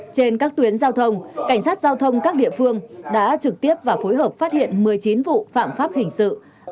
trên các tuyến giao thông cảnh sát giao thông các địa phương đã trực tiếp và phối hợp phát hiện một mươi chín vụ phạm pháp hình sự